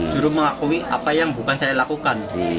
juru mengakui apa yang bukan saya lakukan